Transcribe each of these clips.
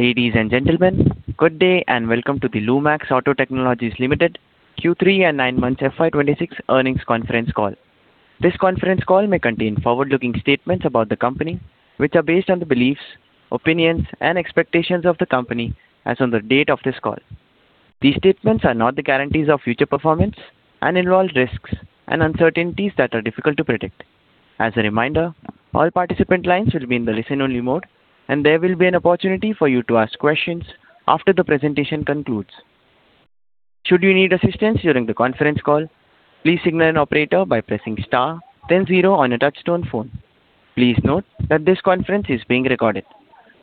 Ladies and gentlemen, good day, and welcome to the Lumax Auto Technologies Limited Q3 and Nine Months FY 2026 Earnings Conference Call. This conference call may contain forward-looking statements about the company, which are based on the beliefs, opinions, and expectations of the company as on the date of this call. These statements are not the guarantees of future performance and involve risks and uncertainties that are difficult to predict. As a reminder, all participant lines will be in the listen-only mode, and there will be an opportunity for you to ask questions after the presentation concludes. Should you need assistance during the conference call, please signal an operator by pressing star then zero on your touch-tone phone. Please note that this conference is being recorded.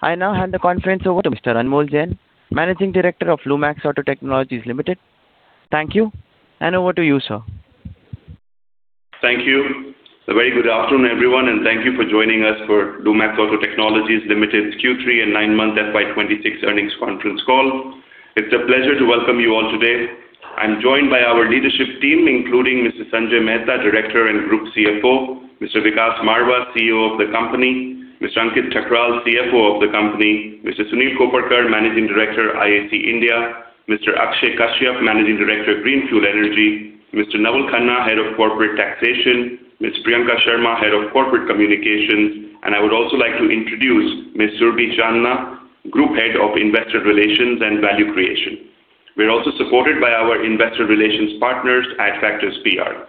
I now hand the conference over to Mr. Anmol Jain, Managing Director of Lumax Auto Technologies Limited. Thank you, and over to you, sir. Thank you. A very good afternoon, everyone, and thank you for joining us for Lumax Auto Technologies Limited Q3 and nine-month FY 2026 earnings conference call. It's a pleasure to welcome you all today. I'm joined by our leadership team, including Mr. Sanjay Mehta, Director and Group CFO, Mr. Vikas Marwah, CEO of the company, Mr. Ankit Thakral, CFO of the company, Mr. Sunil Koparkar, Managing Director, IAC India, Mr. Akshay Kashyap, Managing Director, Greenfuel Energy, Mr. Naval Khanna, Head of Corporate Taxation, Ms. Priyanka Sharma, Head of Corporate Communications, and I would also like to introduce Ms. Surabhi Chandna, Group Head of Investor Relations and Value Creation. We are also supported by our Investor Relations Partners at Adfactors PR.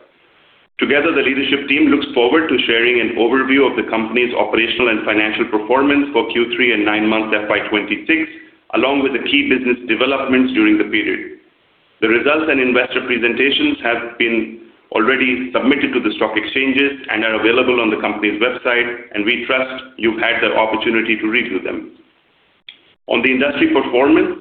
Together, the leadership team looks forward to sharing an overview of the company's operational and financial performance for Q3 and nine months FY 2026, along with the key business developments during the period. The results and investor presentations have been already submitted to the stock exchanges and are available on the company's website, and we trust you've had the opportunity to review them. On the industry performance,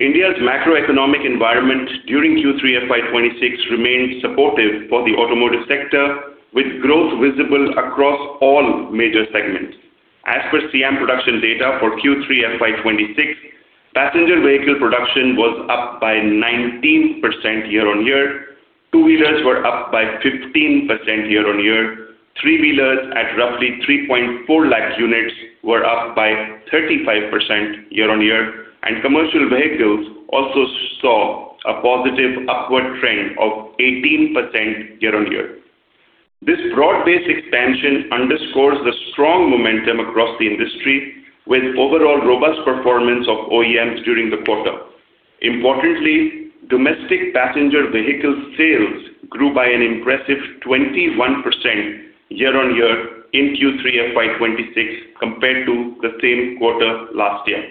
India's macroeconomic environment during Q3 FY 2026 remained supportive for the automotive sector, with growth visible across all major segments. As per SIAM production data for Q3 FY 2026, Passenger Vehicle production was up by 19% year-on-year, 2-Wheelers were up by 15% year-on-year, 3-Wheelers at roughly 3.4 lakh units were up by 35% year-on-year, and Commercial Vehicles also saw a positive upward trend of 18% year-on-year. This broad-based expansion underscores the strong momentum across the industry, with overall robust performance of OEMs during the quarter. Importantly, domestic Passenger Vehicle sales grew by an impressive 21% year-on-year in Q3 FY 2026, compared to the same quarter last year.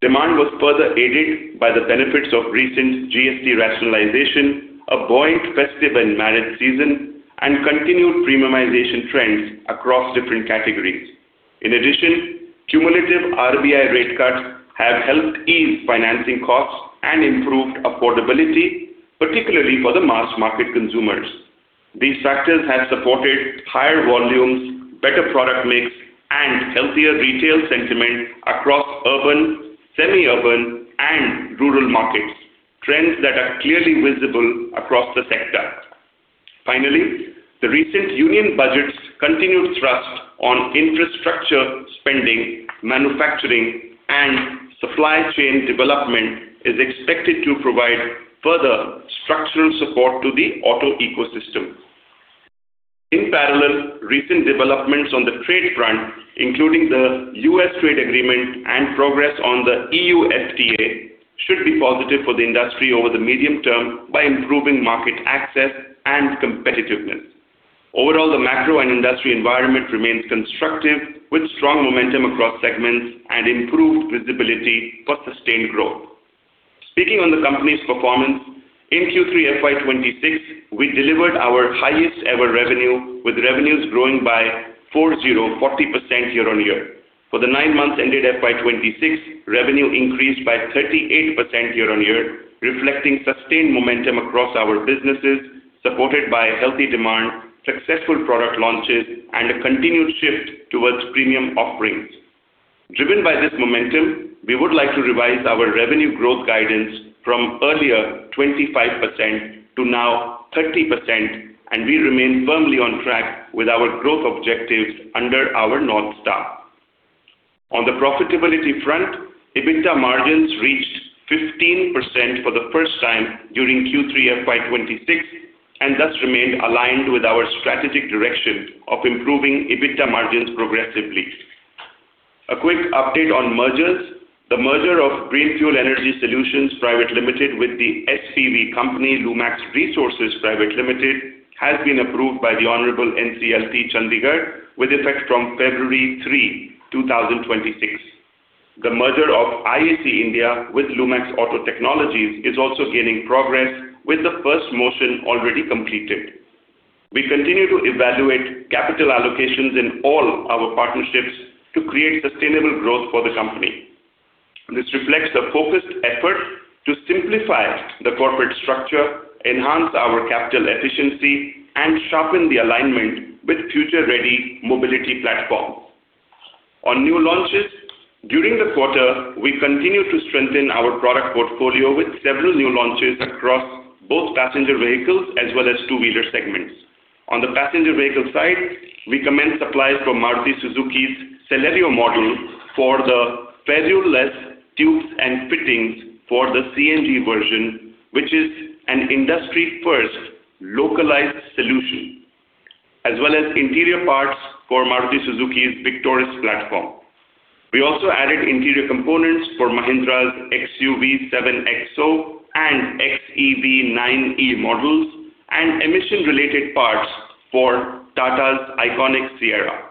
Demand was further aided by the benefits of recent GST rationalization, a buoyant festive and marriage season, and continued premiumization trends across different categories. In addition, cumulative RBI rate cuts have helped ease financing costs and improved affordability, particularly for the mass market consumers. These factors have supported higher volumes, better product mix, and healthier retail sentiment across urban, semi-urban, and rural markets, trends that are clearly visible across the sector. Finally, the recent Union Budget's continued thrust on infrastructure spending, manufacturing, and supply chain development is expected to provide further structural support to the auto ecosystem. In parallel, recent developments on the trade front, including the U.S. trade agreement and progress on the E.U. FTA, should be positive for the industry over the medium term by improving market access and competitiveness. Overall, the macro and industry environment remains constructive, with strong momentum across segments and improved visibility for sustained growth. Speaking on the company's performance, in Q3 FY 2026, we delivered our highest ever revenue, with revenues growing by 40% year-on-year. For the nine months ended FY 2026, revenue increased by 38% year-on-year, reflecting sustained momentum across our businesses, supported by healthy demand, successful product launches, and a continued shift towards premium offerings. Driven by this momentum, we would like to revise our revenue growth guidance from earlier 25% to now 30%, and we remain firmly on track with our growth objectives under our North Star. On the profitability front, EBITDA margins reached 15% for the first time during Q3 FY 2026, and thus remained aligned with our strategic direction of improving EBITDA margins progressively. A quick update on mergers. The merger of Greenfuel Energy Solutions Private Limited with the SPV company, Lumax Resources Private Limited, has been approved by the Honorable NCLT, Chandigarh, with effect from February 3, 2026. The merger of IAC India with Lumax Auto Technologies is also gaining progress, with the first motion already completed. We continue to evaluate capital allocations in all our partnerships to create sustainable growth for the company. This reflects a focused effort to simplify the corporate structure, enhance our capital efficiency, and sharpen the alignment with future-ready mobility platforms. On new launches, during the quarter, we continued to strengthen our product portfolio with several new launches across both Passenger Vehicles as well as 2-Wheelers segments. On the Passenger Vehicle side, we commence supplies for Maruti Suzuki's Celerio model for the ferruleless tubes and fittings for the CNG version, which is an industry first localized solution, as well as interior parts for Maruti Suzuki's Victoris platform. We also added interior components for Mahindra's XUV 7XO XEV 9e models, and emission-related parts for Tata's iconic Sierra.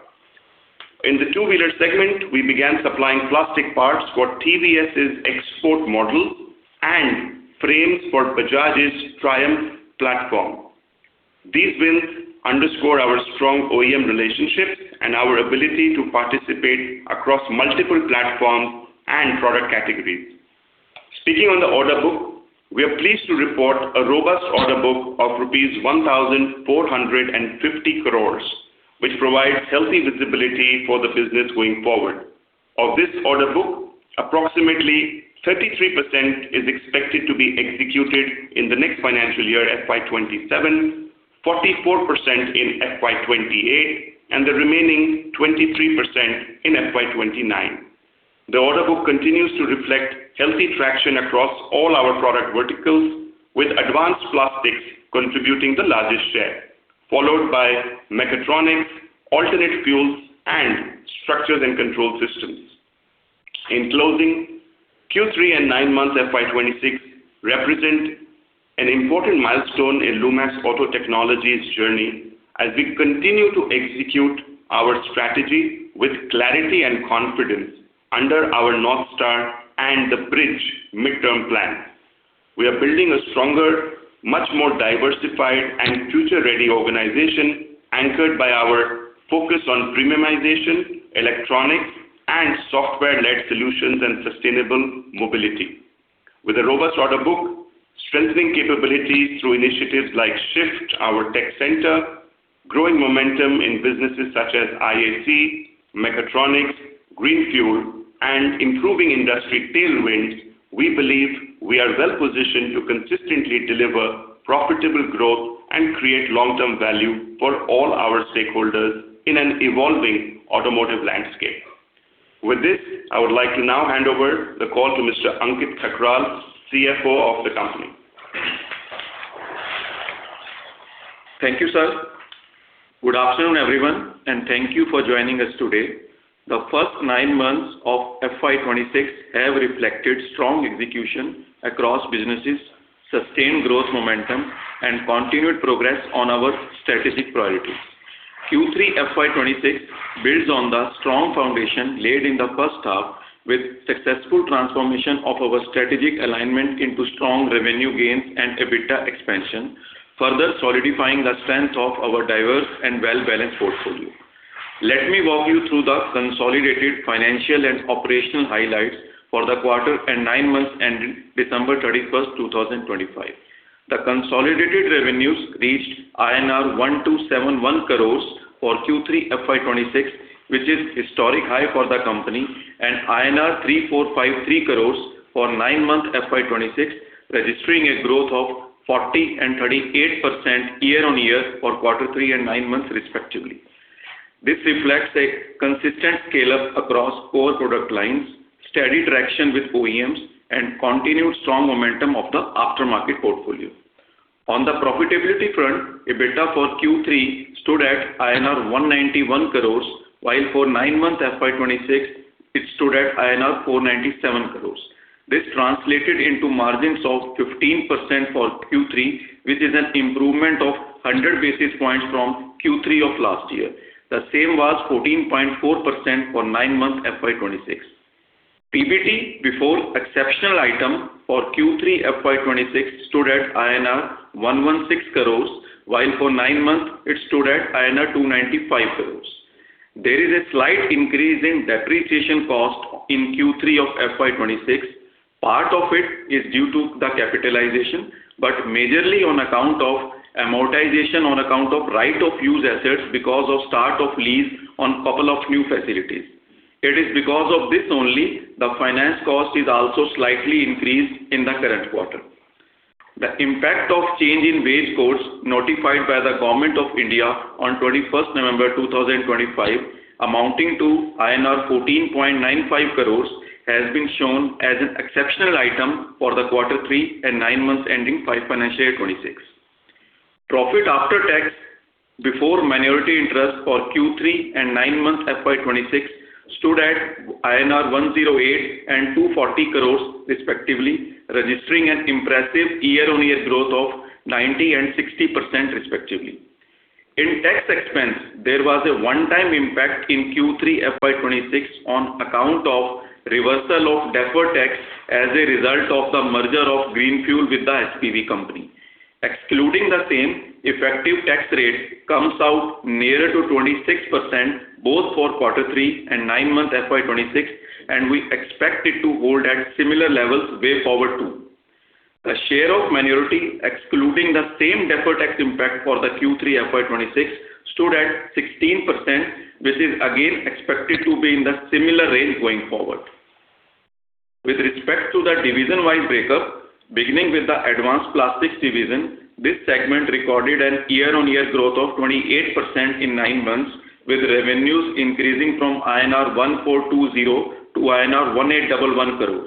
In the 2-Wheelers segment, we began supplying plastic parts for TVS's export model and frames for Bajaj's Triumph platform. These wins underscore our strong OEM relationships and our ability to participate across multiple platforms and product categories. Speaking on the order book, we are pleased to report a robust order book of rupees 1,450 crores, which provides healthy visibility for the business going forward. Of this order book, approximately 33% is expected to be executed in the next financial year, FY 2027, 44% in FY 2028, and the remaining 23% in FY 2029. The order book continues to reflect healthy traction across all our product verticals, with advanced plastics contributing the largest share, followed by mechatronics, alternate fuels, and structures and control systems. In closing, Q3 and nine months FY 2026 represent an important milestone in Lumax Auto Technologies' journey as we continue to execute our strategy with clarity and confidence under our North Star and the BRIDGE midterm plan. We are building a stronger, much more diversified and future-ready organization, anchored by our focus on premiumization, electronics, and software-led solutions and sustainable mobility. With a robust order book, strengthening capabilities through initiatives like Shift, our tech center, growing momentum in businesses such as IAC, mechatronics, Greenfuel, and improving industry tailwinds, we believe we are well positioned to consistently deliver profitable growth and create long-term value for all our stakeholders in an evolving automotive landscape. With this, I would like to now hand over the call to Mr. Ankit Thakral, CFO of the company. Thank you, sir. Good afternoon, everyone, and thank you for joining us today. The first nine months of FY 2026 have reflected strong execution across businesses, sustained growth, momentum, and continued progress on our strategic priorities. Q3 FY 2026 builds on the strong foundation laid in the first half, with successful transformation of our strategic alignment into strong revenue gains and EBITDA expansion, further solidifying the strength of our diverse and well-balanced portfolio. Let me walk you through the consolidated financial and operational highlights for the quarter and nine months ending December 31st, 2025. The consolidated revenues reached INR 1,271 crores for Q3 FY 2026, which is historic high for the company, and INR 3,453 crores for nine months FY 2026, registering a growth of 40% and 38% year-on-year for quarter three and nine months, respectively. This reflects a consistent scale-up across core product lines, steady traction with OEMs, and continued strong momentum of the aftermarket portfolio. On the profitability front, EBITDA for Q3 stood at INR 191 crores, while for nine months FY 2026, it stood at INR 497 crores. This translated into margins of 15% for Q3, which is an improvement of 100 basis points from Q3 of last year. The same was 14.4% for nine months FY 2026. PBT, before exceptional item for Q3 FY 2026, stood at INR 116 crores, while for nine months it stood at INR 295 crores. There is a slight increase in depreciation cost in Q3 of FY 2026. Part of it is due to the capitalization, but majorly on account of amortization on account of Right-of-Use assets because of start of lease on a couple of new facilities. It is because of this only, the finance cost is also slightly increased in the current quarter. The impact of change in wage codes notified by the Government of India on 21st November 2025, amounting to INR 14.95 crores, has been shown as an exceptional item for the quarter three and nine months ending FY 2026. Profit after tax, before minority interest for Q3 and nine months FY 2026, stood at INR 108 crore and INR 240 crore, respectively, registering an impressive year-on-year growth of 90% and 60%, respectively. In tax expense, there was a one-time impact in Q3 FY 2026 on account of reversal of deferred tax as a result of the merger of Greenfuel with the SPV company. Excluding the same, effective tax rate comes out nearer to 26%, both for quarter three and nine months FY 2026, and we expect it to hold at similar levels way forward, too. The share of minority, excluding the same deferred tax impact for the Q3 FY 2026, stood at 16%, which is again expected to be in the similar range going forward. With respect to the division-wide breakup, beginning with the Advanced Plastics division, this segment recorded a year-on-year growth of 28% in nine months, with revenues increasing from 1,420 crore-1,811 crores INR.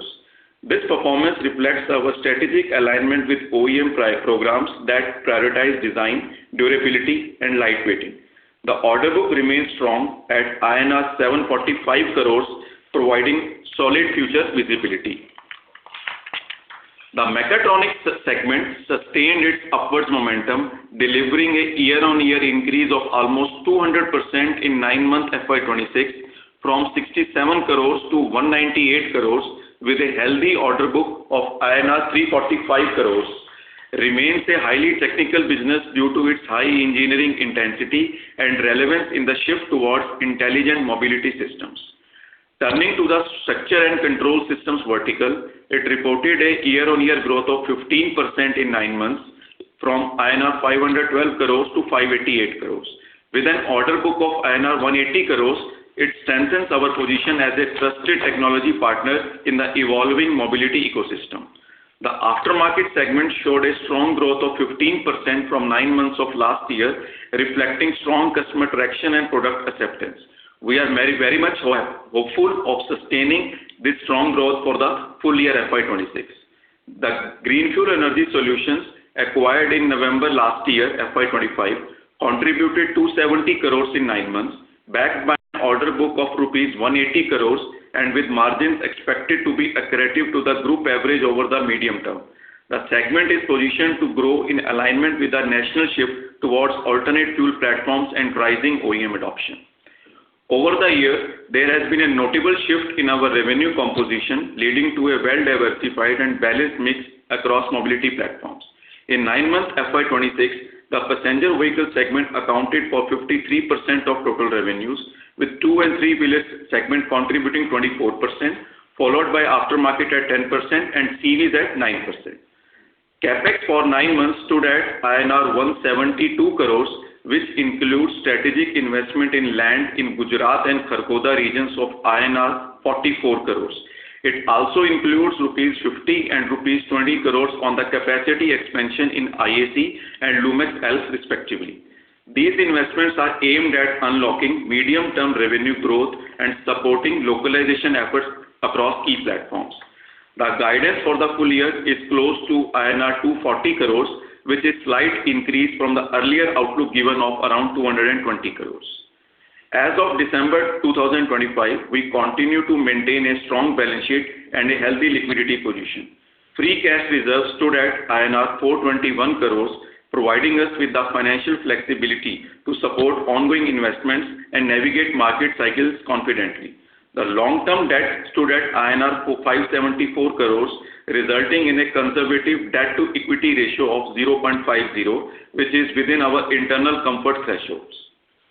This performance reflects our strategic alignment with OEM priority programs that prioritize design, durability, and lightweighting. The order book remains strong at INR 745 crores, providing solid future visibility. The Mechatronics segment sustained its upwards momentum, delivering a year-on-year increase of almost 200% in nine months FY 2026, from 67 crores- 198 crores, with a healthy order book of INR 345 crores. It remains a highly technical business due to its high engineering intensity and relevance in the shift towards intelligent mobility systems. Turning to the Structure and Control Systems vertical, it reported a year-on-year growth of 15% in nine months, from INR 512 crores-INR 588 crores. With an order book of INR 180 crores, it strengthens our position as a trusted technology partner in the evolving mobility ecosystem. The Aftermarket segment showed a strong growth of 15% from nine months of last year, reflecting strong customer traction and product acceptance. We are very, very much hopeful of sustaining this strong growth for the full year FY 2026. The Greenfuel Energy Solutions, acquired in November last year, FY 2025, contributed 270 crore in nine months, backed by an order book of rupees 180 crore, and with margins expected to be accretive to the group average over the medium term. The segment is positioned to grow in alignment with the national shift towards alternate fuel platforms and rising OEM adoption. Over the year, there has been a notable shift in our revenue composition, leading to a well-diversified and balanced mix across mobility platforms. In nine months, FY 2026, the Passenger Vehicle segment accounted for 53% of total revenues, with 2-Wheelers and 3-Wheelers segment contributing 24%, followed by aftermarket at 10% and CVs at 9%. CapEx for nine months stood at INR 172 crores, which includes strategic investment in land in Gujarat and Khargone regions of INR 44 crores. It also includes rupees 50 crores and rupees 20 crores on the capacity expansion in IAC and Lumax Health, respectively. These investments are aimed at unlocking medium-term revenue growth and supporting localization efforts across key platforms. The guidance for the full year is close to INR 240 crores, which is slight increase from the earlier outlook given of around 220 crores. As of December 2025, we continue to maintain a strong balance sheet and a healthy liquidity position. Free cash reserves stood at INR 421 crore, providing us with the financial flexibility to support ongoing investments and navigate market cycles confidently. The long-term debt stood at INR 574 crore, resulting in a conservative debt-to-equity ratio of 0.50, which is within our internal comfort thresholds.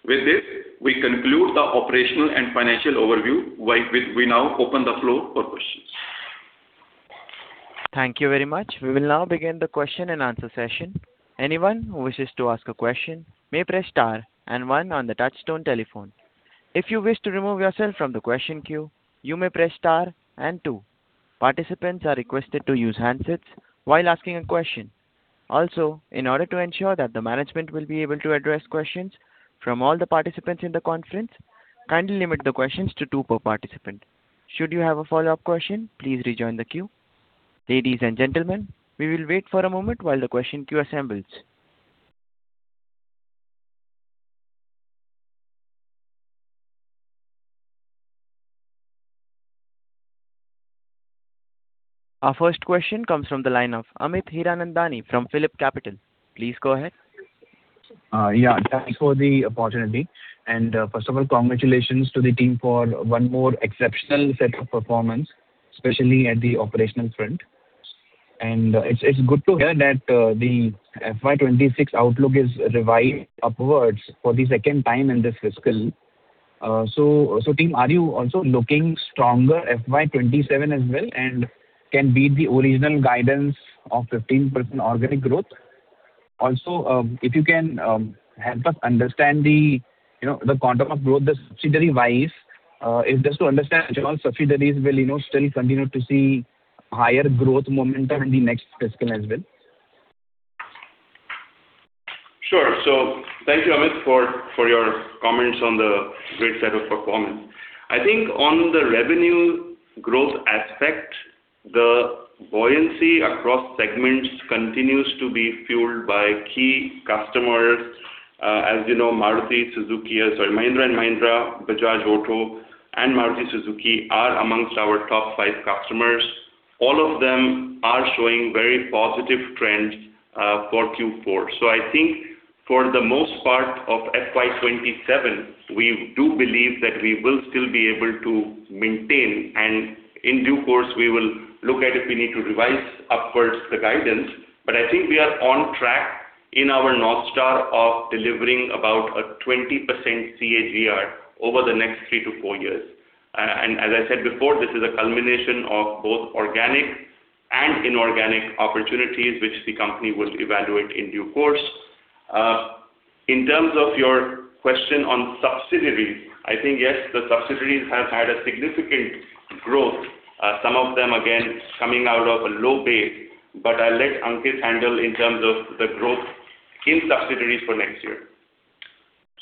With this, we conclude the operational and financial overview, while we now open the floor for questions. Thank you very much. We will now begin the question and answer session. Anyone who wishes to ask a question may press star and one on the touchtone telephone. If you wish to remove yourself from the question queue, you may press star and two. Participants are requested to use handsets while asking a question. Also, in order to ensure that the management will be able to address questions from all the participants in the conference, kindly limit the questions to two per participant. Should you have a follow-up question, please rejoin the queue. Ladies and gentlemen, we will wait for a moment while the question queue assembles. Our first question comes from the line of Amit Hiranandani from Phillip Capital. Please go ahead. Yeah, thanks for the opportunity. And, first of all, congratulations to the team for one more exceptional set of performance, especially at the operational front. And, it's good to hear that, the FY 2026 outlook is revised upwards for the second time in this fiscal. So, team, are you also looking stronger FY 2027 as well, and can beat the original guidance of 15% organic growth? Also, if you can, help us understand the, you know, the quantum of growth, the subsidiary-wise, is just to understand general subsidiaries will, you know, still continue to see higher growth momentum in the next fiscal as well. Sure. So thank you, Amit, for your comments on the great set of performance. I think on the revenue growth aspect, the buoyancy across segments continues to be fueled by key customers. As you know, Maruti Suzuki, sorry, Mahindra & Mahindra, Bajaj Auto, and Maruti Suzuki are among our top five customers. All of them are showing very positive trends for Q4. So I think for the most part of FY 2027, we do believe that we will still be able to maintain, and in due course, we will look at if we need to revise upwards the guidance. But I think we are on track in our North Star of delivering about a 20% CAGR over the next three to four years. And as I said before, this is a culmination of both organic and inorganic opportunities, which the company will evaluate in due course. ...In terms of your question on subsidiaries, I think, yes, the subsidiaries have had a significant growth, some of them again, coming out of a low base. But I'll let Ankit handle in terms of the growth in subsidiaries for next year.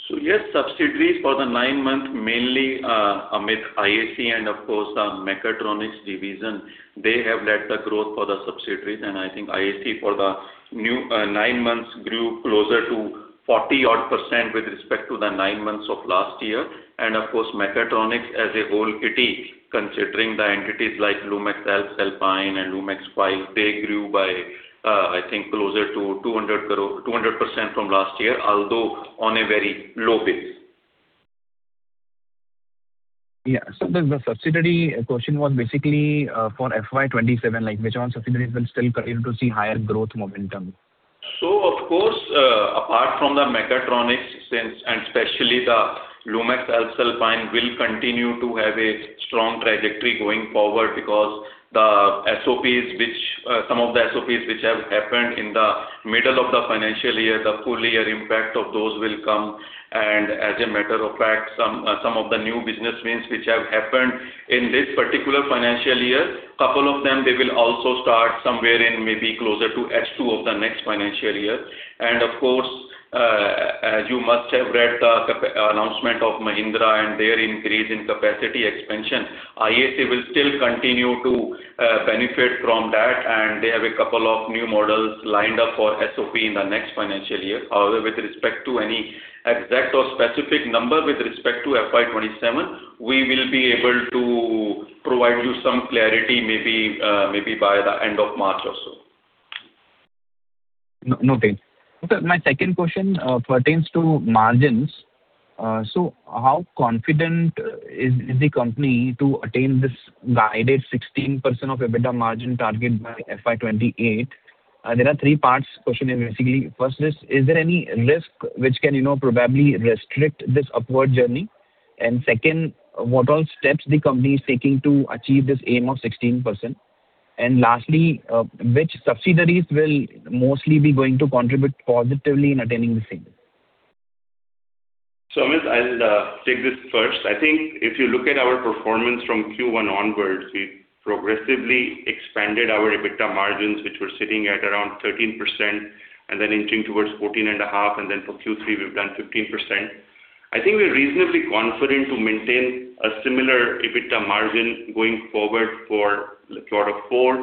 So yes, subsidiaries for the nine months, mainly, Amit, IAC, and of course, the Mechatronics division, they have led the growth for the subsidiaries. I think IAC for the new nine months grew closer to 40-odd% with respect to the nine months of last year. Of course, Mechatronics as a whole entity, considering the entities like Lumax Alps Alpine and Lumax FAE, they grew by, I think closer to 200 crore, 200% from last year, although on a very low base. Yeah. So the subsidiary question was basically for FY 2027, like, which one subsidiaries will still continue to see higher growth momentum? So of course, apart from the Mechatronics, since, and especially the Lumax Alps, will continue to have a strong trajectory going forward because the SOPs, which, some of the SOPs which have happened in the middle of the financial year, the full year impact of those will come. And as a matter of fact, some, some of the new business wins which have happened in this particular financial year, couple of them, they will also start somewhere in maybe closer to H2 of the next financial year. And of course, as you must have read the capacity announcement of Mahindra and their increase in capacity expansion, IAC will still continue to, benefit from that, and they have a couple of new models lined up for SOP in the next financial year. However, with respect to any exact or specific number with respect to FY 2027, we will be able to provide you some clarity, maybe, maybe by the end of March or so. No, no, thanks. My second question pertains to margins. So how confident is the company to attain this guided 16% EBITDA margin target by FY 2028? There are three parts question, and basically, first, is there any risk which can, you know, probably restrict this upward journey? And second, what all steps the company is taking to achieve this aim of 16%. And lastly, which subsidiaries will mostly be going to contribute positively in attaining this thing? So, Amit, I'll take this first. I think if you look at our performance from Q1 onwards, we've progressively expanded our EBITDA margins, which were sitting at around 13%, and then inching towards 14.5%, and then for Q3, we've done 15%. I think we're reasonably confident to maintain a similar EBITDA margin going forward for the quarter four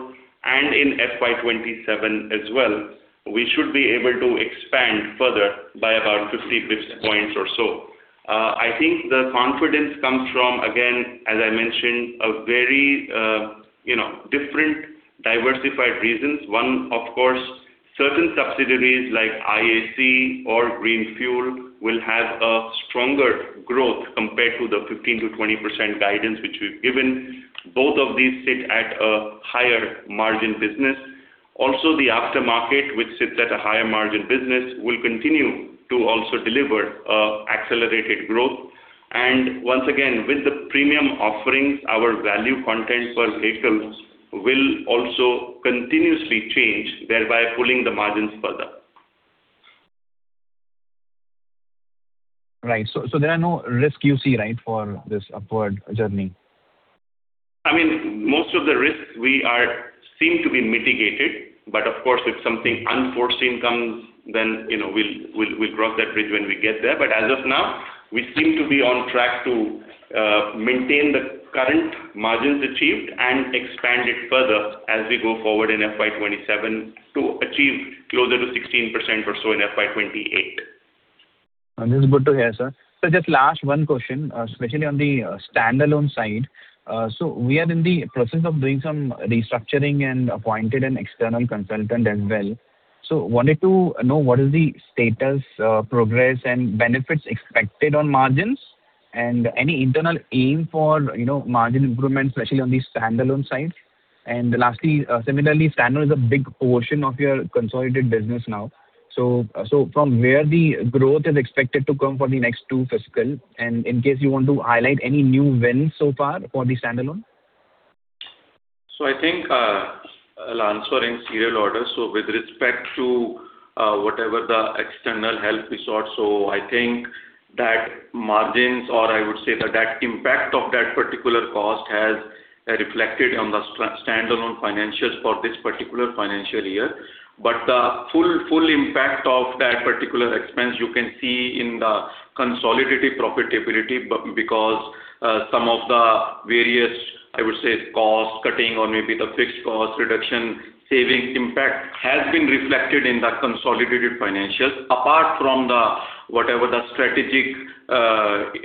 and in FY 2027 as well. We should be able to expand further by about 50 basis points or so. I think the confidence comes from, again, as I mentioned, a very, you know, different diversified reasons. One, of course, certain subsidiaries like IAC or Greenfuel, will have a stronger growth compared to the 15%-20% guidance which we've given. Both of these sit at a higher margin business. Also, the aftermarket, which sits at a higher margin business, will continue to also deliver accelerated growth. Once again, with the premium offerings, our value content per vehicle will also continuously change, thereby pulling the margins further. Right. So, there are no risks you see, right, for this upward journey? I mean, most of the risks we are, seem to be mitigated, but of course, if something unforeseen comes, then, you know, we'll cross that BRIDGE when we get there. But as of now, we seem to be on track to maintain the current margins achieved and expand it further as we go forward in FY 2027 to achieve closer to 16% or so in FY 2028. This is good to hear, sir. So just last one question, especially on the standalone side. So we are in the process of doing some restructuring and appointed an external consultant as well. So wanted to know what is the status, progress, and benefits expected on margins, and any internal aim for, you know, margin improvement, especially on the standalone side. And lastly, similarly, standalone is a big portion of your consolidated business now. So, so from where the growth is expected to come for the next two fiscal, and in case you want to highlight any new wins so far for the standalone? So I think I'll answer in serial order. So with respect to whatever the external help we sought, so I think that margins, or I would say that impact of that particular cost has reflected on the standalone financials for this particular financial year. But the full impact of that particular expense you can see in the consolidated profitability because some of the various, I would say, cost cutting or maybe the fixed cost reduction savings impact has been reflected in the consolidated financials. Apart from whatever the strategic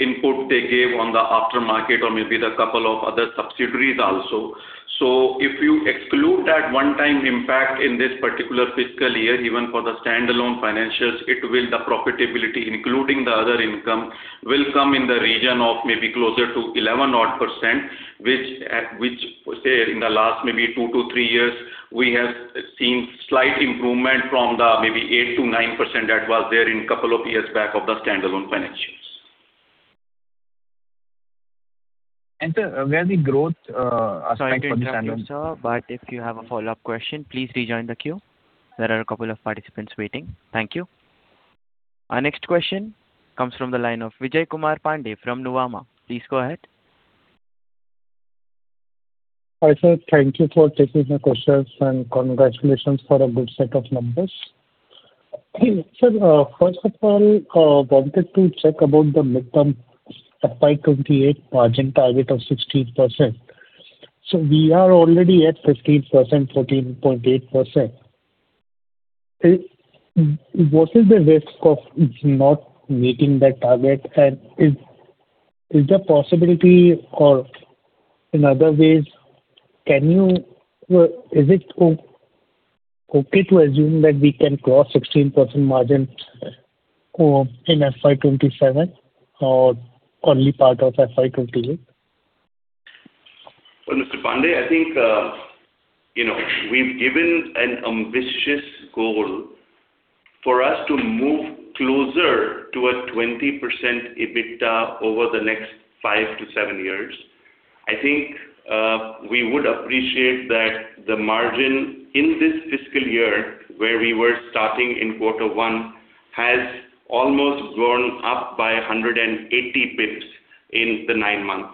input they gave on the aftermarket or maybe the couple of other subsidiaries also. So if you exclude that one-time impact in this particular fiscal year, even for the standalone financials, the profitability, including the other income, will come in the region of maybe closer to 11-odd %, which, say, in the last maybe two to three years, we have seen slight improvement from the maybe 8%-9% that was there in couple of years back of the standalone financial.... And, where the growth, aspect for this- Sorry to interrupt you, sir, but if you have a follow-up question, please rejoin the queue. There are a couple of participants waiting. Thank you. Our next question comes from the line of Vijay Kumar Pandey from Nuvama. Please go ahead. Hi, sir. Thank you for taking my questions, and congratulations for a good set of numbers. Sir, first of all, wanted to check about the midterm FY 2028 margin target of 16%. So we are already at 15%, 14.8%. What is the risk of not meeting that target? And is there possibility or in other ways, can you... Is it okay to assume that we can cross 16% margin in FY 2027 or early part of FY 2028? Well, Mr. Pandey, I think, you know, we've given an ambitious goal for us to move closer to a 20% EBITDA over the next five to seven years. I think we would appreciate that the margin in this fiscal year, where we were starting in quarter one, has almost gone up by 180 basis points in the nine months.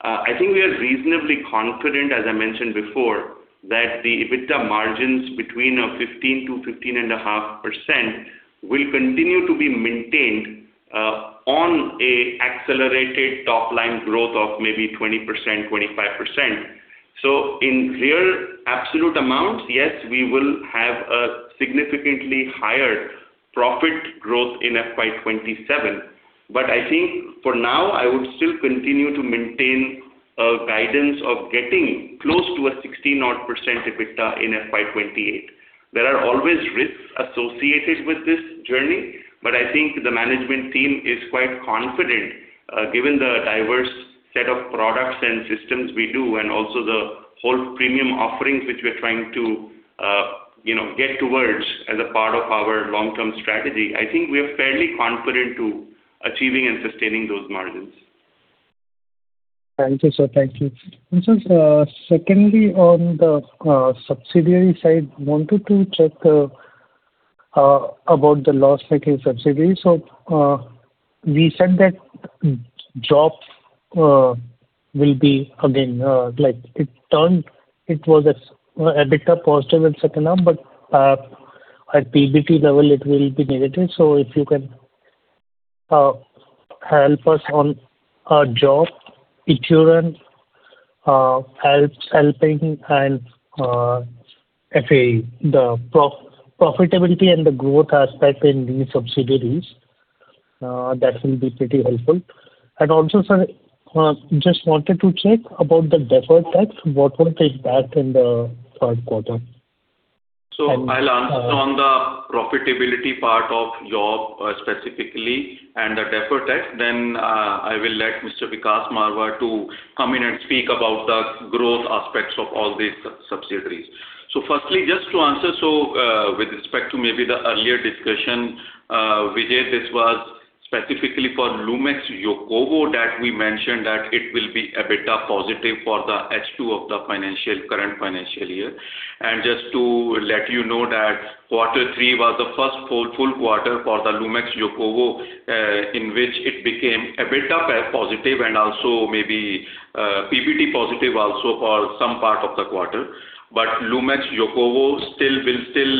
I think we are reasonably confident, as I mentioned before, that the EBITDA margins between 15%-15.5% will continue to be maintained on an accelerated top-line growth of maybe 20%, 25%. So in real absolute amounts, yes, we will have a significantly higher profit growth in FY 2027. But I think for now, I would still continue to maintain a guidance of getting close to a 16% EBITDA in FY 2028. There are always risks associated with this journey, but I think the management team is quite confident, given the diverse set of products and systems we do, and also the whole premium offerings, which we are trying to, you know, get towards as a part of our long-term strategy. I think we are fairly confident to achieving and sustaining those margins. Thank you, sir. Thank you. And, sir, secondly, on the subsidiary side, I wanted to check about the loss-making subsidiary. So, we said that JOPP will be again like it turned, it was as EBITDA positive in second half, but at PBT level, it will be negative. So if you can help us on JOPP, Ituran, helping and FAE, the profitability and the growth aspect in these subsidiaries, that will be pretty helpful. And also, sir, just wanted to check about the deferred tax. What will take back in the third quarter? So I'll answer on the profitability part of JOPP, specifically, and the deferred tax. Then, I will let Mr. Vikas Marwah to come in and speak about the growth aspects of all these subsidiaries. So firstly, just to answer, so, with respect to maybe the earlier discussion, Vijay, this was specifically for Lumax Yokowo that we mentioned that it will be EBITDA positive for the H2 of the financial, current financial year. And just to let you know that quarter three was the first full quarter for the Lumax Yokowo, in which it became EBITDA positive and also maybe PBT positive also for some part of the quarter. But Lumax Yokowo still will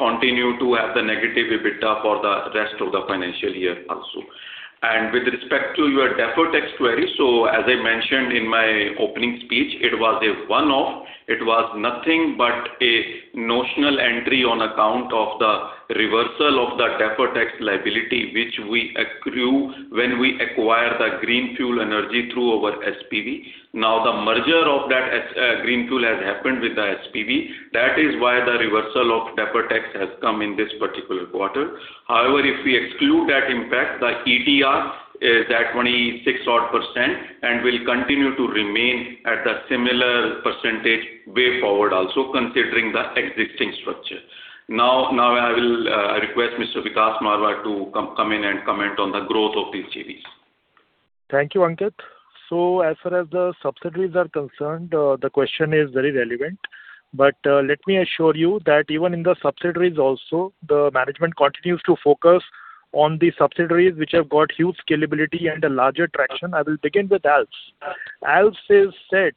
continue to have the negative EBITDA for the rest of the financial year also. With respect to your deferred tax query, so as I mentioned in my opening speech, it was a one-off. It was nothing but a notional entry on account of the reversal of the deferred tax liability, which we accrue when we acquire the Greenfuel Energy through our SPV. Now, the merger of that Greenfuel has happened with the SPV. That is why the reversal of deferred tax has come in this particular quarter. However, if we exclude that impact, the ETR is at 26% odd and will continue to remain at a similar percentage way forward also, considering the existing structure. Now I will request Mr. Vikas Marwah to come in and comment on the growth of these subsidiaries. Thank you, Ankit. So as far as the subsidiaries are concerned, the question is very relevant. But, let me assure you that even in the subsidiaries also, the management continues to focus on the subsidiaries which have got huge scalability and a larger traction. I will begin with Alps. Alps is set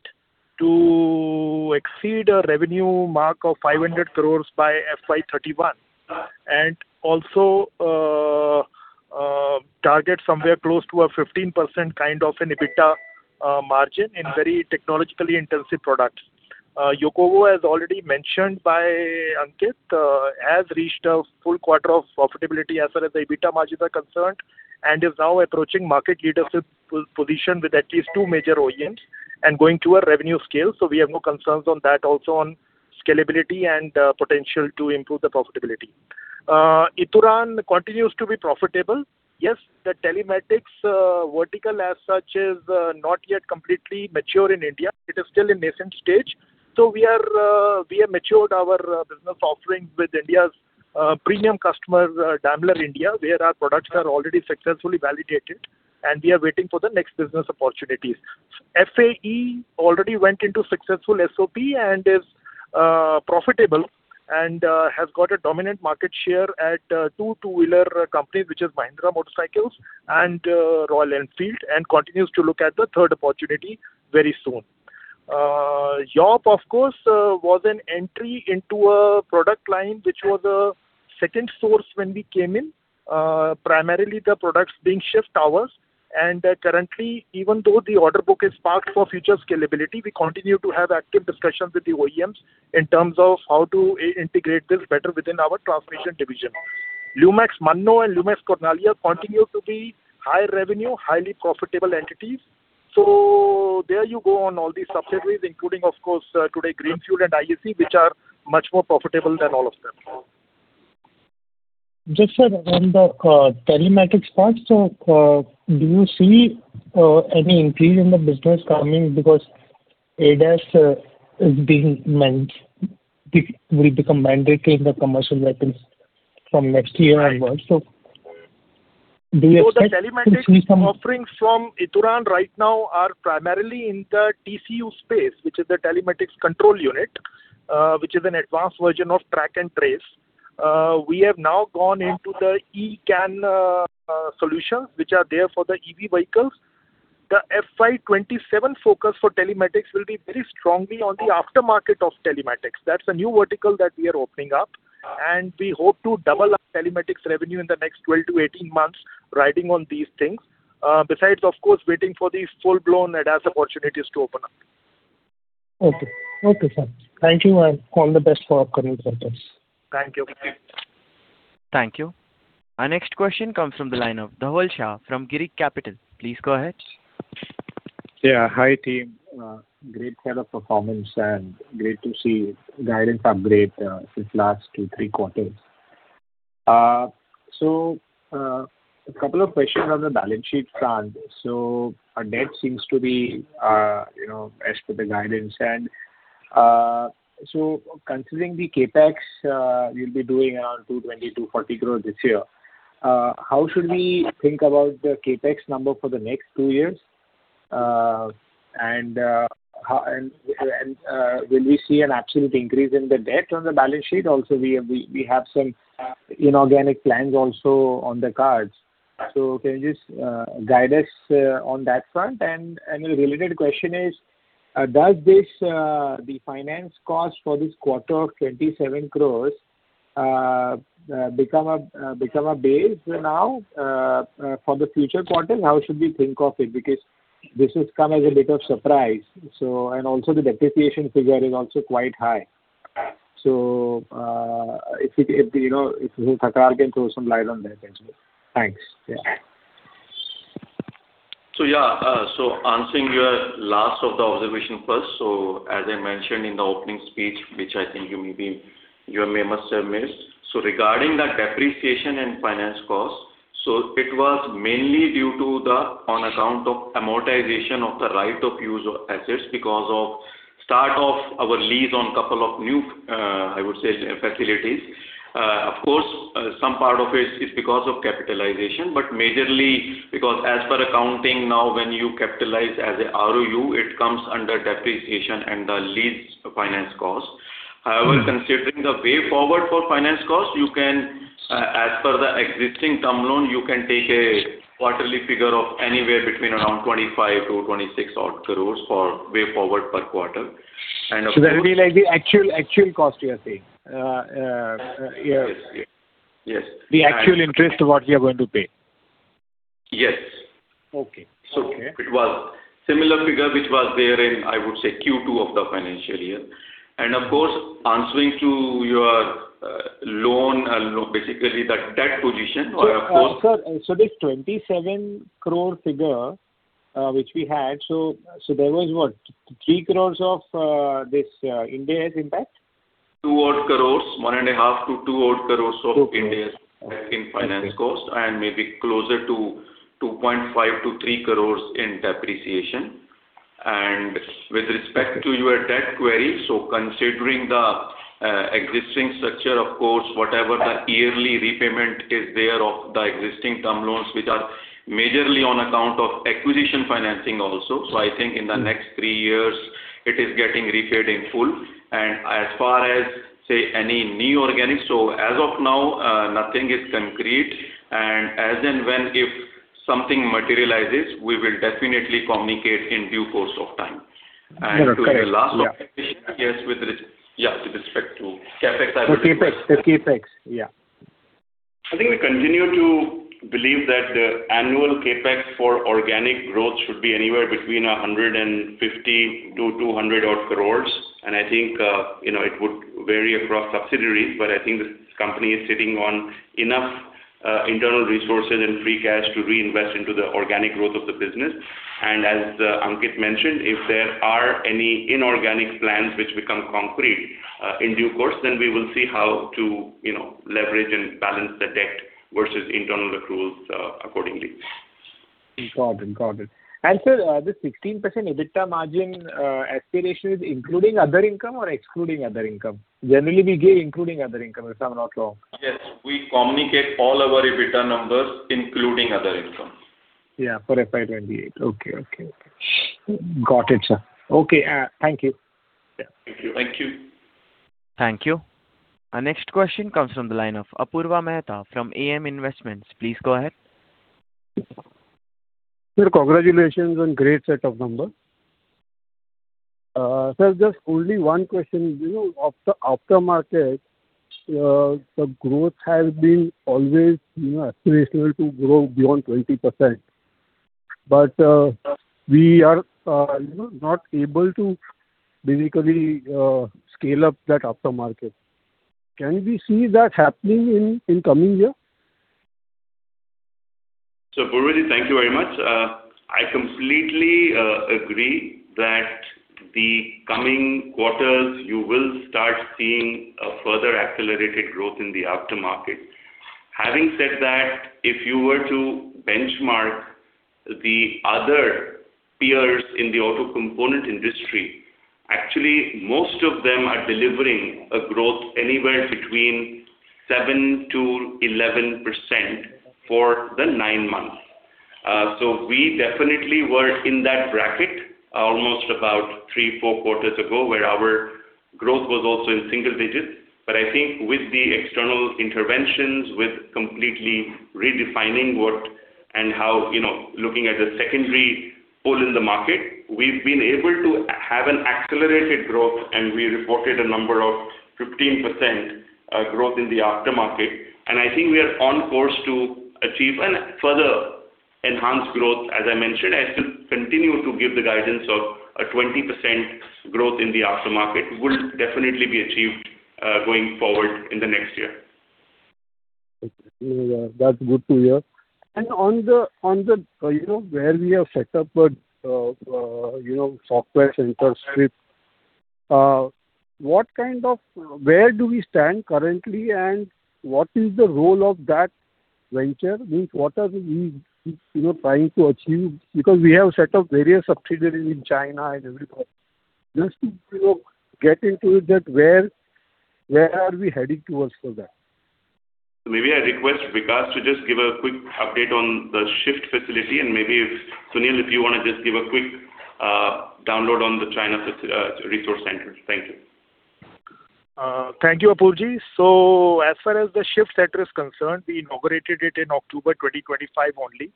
to exceed a revenue mark of 500 crore by FY 2031, and also, target somewhere close to a 15% kind of an EBITDA margin in very technologically intensive products. Yokowo, as already mentioned by Ankit, has reached a full quarter of profitability as far as the EBITDA margins are concerned, and is now approaching market leadership position with at least two major OEMs and going to a revenue scale. So we have no concerns on that, also on scalability and, potential to improve the profitability. Ituran continues to be profitable. Yes, the telematics vertical as such is not yet completely mature in India. It is still in nascent stage. So we are, we have matured our business offerings with India's premium customer, Daimler India, where our products are already successfully validated, and we are waiting for the next business opportunities. FAE already went into successful SOP and is profitable and has got a dominant market share at two 2-Wheelers companies, which is Mahindra Motorcycles and Royal Enfield, and continues to look at the third opportunity very soon. JOPP, of course, was an entry into a product line, which was a second source when we came in. Primarily, the products being shift towers, and currently, even though the order book is parked for future scalability, we continue to have active discussions with the OEMs in terms of how to integrate this better within our transmission division. Lumax Mannoh and Lumax Cornaglia continue to be high revenue, highly profitable entities. So there you go on all these subsidiaries, including, of course, today, Greenfuel and IAC, which are much more profitable than all of them. Just, sir, on the telematics part, so, do you see any increase in the business coming? Because ADAS is being meant, it will become mandatory in the Commercial Vehicles from next year onwards. So do you expect to see some- So the telematics offerings from Ituran right now are primarily in the TCU space, which is the Telematics Control Unit, which is an advanced version of track and trace. We have now gone into the eCAN, solutions, which are there for the EV vehicles. The FY 2027 focus for telematics will be very strongly on the aftermarket of telematics. That's a new vertical that we are opening up, and we hope to double our telematics revenue in the next 12-18 months riding on these things. Besides, of course, waiting for these full-blown ADAS opportunities to open up. Okay. Okay, sir. Thank you, and all the best for upcoming quarters. Thank you. Thank you. Our next question comes from the line of Dhaval Shah from Girik Capital. Please go ahead. Yeah. Hi, team. Great set of performance and great to see guidance upgrade since last two, three quarters. So a couple of questions on the balance sheet front. So our debt seems to be, you know, as per the guidance, and so considering the CapEx, you'll be doing around 220 crore-240 crores this year, how should we think about the CapEx number for the next two years? And will we see an absolute increase in the debt on the balance sheet? Also, we have some inorganic plans also on the cards. So can you just guide us on that front? A related question is, does this, the finance cost for this quarter of 27 crore, become a base now, for the future quarters? How should we think of it? Because this has come as a bit of surprise. So, and also the depreciation figure is also quite high. So, if you know, if Thakral can throw some light on that as well. Thanks. Yeah. So, yeah, so answering your last observation first. So as I mentioned in the opening speech, which I think you maybe, you may must have missed. So regarding the depreciation and finance costs, so it was mainly due to on account of amortization of the Right of Use assets because of start of our lease on couple of new, I would say, facilities. Of course, some part of it is because of capitalization, but majorly because as per accounting now, when you capitalize as a ROU, it comes under depreciation and the lease finance cost. However, considering the way forward for finance cost, you can, as per the existing term loan, you can take a quarterly figure of anywhere between around 25 crore-26 crore for way forward per quarter. And of course- So that will be like the actual, actual cost you are saying? Yeah. Yes. Yeah. Yes. The actual interest what you are going to pay. Yes. Okay. So it was similar figure, which was there in, I would say, Q2 of the financial year. And of course, answering to your loan, basically the debt position or, of course- Sir, so this 27 crore figure, which we had, so, so there was what? 3 crore of this Ind AS impact? 1.5- crore-INR 2-odd crore of Ind AS in finance cost, and maybe closer to 2.5 crore-3 crore in depreciation. With respect to your debt query, so considering the existing structure, of course, whatever the yearly repayment is there of the existing term loans, which are majorly on account of acquisition financing also. I think in the next three years, it is getting repaid in full. As far as, say, any new organic, so as of now, nothing is concrete, and as in when if something materializes, we will definitely communicate in due course of time. That's correct, yeah. To the last point, yes, with respect to CapEx, I would- The CapEx. The CapEx, yeah. I think we continue to believe that the annual CapEx for organic growth should be anywhere between 150 crore-200-odd crore. I think, you know, it would vary across subsidiaries, but I think the company is sitting on enough, internal resources and free cash to reinvest into the organic growth of the business. As Ankit mentioned, if there are any inorganic plans which become concrete, in due course, then we will see how to, you know, leverage and balance the debt versus internal accruals, accordingly.... Got it, got it. And sir, this 16% EBITDA margin, aspiration is including other income or excluding other income? Generally, we give including other income, if I'm not wrong. Yes, we communicate all our EBITDA numbers, including other income. Yeah, for FY 2028. Okay, okay. Got it, sir. Okay, thank you. Yeah. Thank you. Thank you. Our next question comes from the line of Apurva Mehta from AM Investments. Please go ahead. Sir, congratulations on great set of numbers. Sir, just only one question. You know, after market, the growth has been always, you know, aspirational to grow beyond 20%, but we are, you know, not able to basically scale up that aftermarket. Can we see that happening in coming year? So Apurva, thank you very much. I completely agree that the coming quarters, you will start seeing a further accelerated growth in the aftermarket. Having said that, if you were to benchmark the other peers in the auto component industry, actually, most of them are delivering a growth anywhere between 7%-11% for the nine months. So we definitely were in that bracket almost about three, four quarters ago, where our growth was also in single digits. But I think with the external interventions, with completely redefining what and how, you know, looking at the secondary pull in the market, we've been able to have an accelerated growth, and we reported a number of 15% growth in the aftermarket. I think we are on course to achieve and further enhance growth, as I mentioned. I still continue to give the guidance of a 20% growth in the aftermarket, will definitely be achieved, going forward in the next year. Okay. That's good to hear. And on the, you know, where we have set up a, you know, software center shift, what kind of - where do we stand currently, and what is the role of that venture? Which, what are we, you know, trying to achieve? Because we have set up various subsidiaries in China and everywhere. Just to, you know, get into that, where are we heading towards for that? Maybe I request Vikas to just give a quick update on the shift facility, and maybe if, Sunil, if you want to just give a quick download on the China resource center. Thank you. Thank you, Apurva. So as far as the shift center is concerned, we inaugurated it in October 2025 only,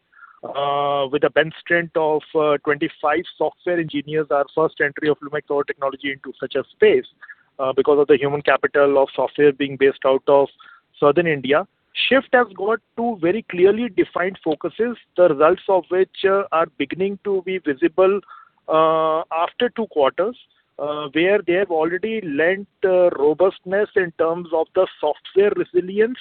with a bench strength of 25 software engineers, our first entry of Lumax Auto Technologies into such a space, because of the human capital of software being based out of Southern India. Shift has got two very clearly defined focuses, the results of which are beginning to be visible after two quarters, where they have already lent robustness in terms of the software resilience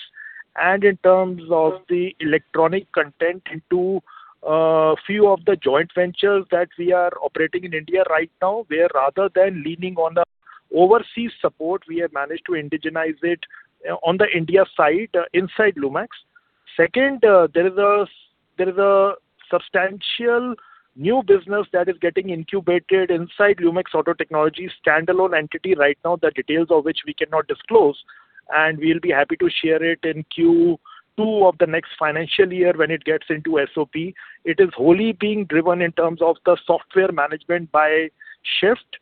and in terms of the electronic content into a few of the joint ventures that we are operating in India right now, where rather than leaning on the overseas support, we have managed to indigenize it on the India side, inside Lumax. Second, there is a substantial new business that is getting incubated inside Lumax Auto Technologies, standalone entity right now, the details of which we cannot disclose, and we'll be happy to share it in Q2 of the next financial year when it gets into SOP. It is wholly being driven in terms of the software management by Shift.